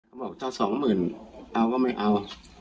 บอกว่าจะ๒๐๐๐๐เอาก็ไม่เอา